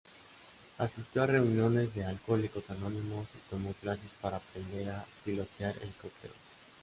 Asistió a reuniones de Alcohólicos Anónimos y tomó clases para aprender a pilotear helicópteros.